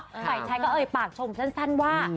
ไส้ใช้ก็ปากชมสั้นว่า